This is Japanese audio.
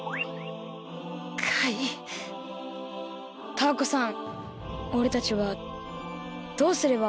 タアコさんおれたちはどうすれば？